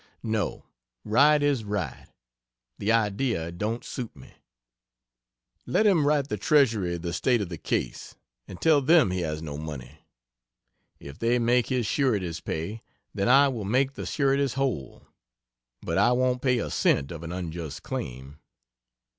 No: Right is right. The idea don't suit me. Let him write the Treasury the state of the case, and tell them he has no money. If they make his sureties pay, then I will make the sureties whole, but I won't pay a cent of an unjust claim.